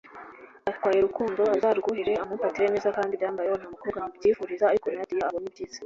atwaye Rukundo azarwuhire amumfatire neza kandi ibyambayeho nta mukobwa mbyifuriza ariko Nadia abonye ibyiza